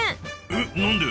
えっ何で？